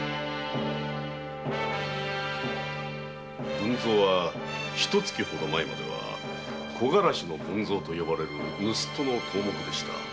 文造はひと月前までは木枯らしの文造と呼ばれる盗人の頭目でした。